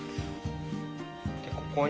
でここに。